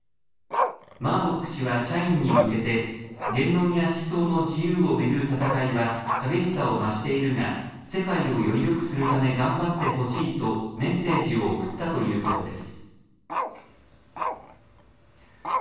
マードック氏は社員に向けて言論や思想の自由を巡る戦いは激しさを増しているが世界をよりよくするため頑張ってほしいとメッセージを送ったということです。